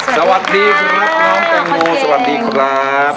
สวัสดีครับสวัสดีครับ